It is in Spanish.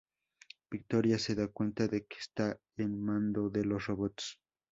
Victoria se da cuenta de que está al mando de los robots.